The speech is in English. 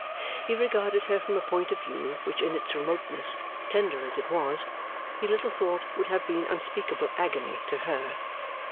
He regarded her from a point of view which in its remoteness, tender as it was, he little thought would have been unspeakable agony to her.